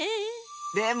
でも。